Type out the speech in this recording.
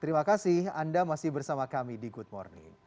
terima kasih anda masih bersama kami di good morning